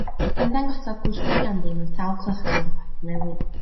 Ymddangosodd gweithiau ganddi mewn sawl cylchgrawn a phapur newydd.